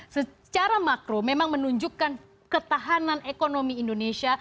secara makro memang menunjukkan ketahanan ekonomi indonesia